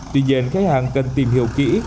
tuy nhiên khách hàng cần tìm hiểu kỹ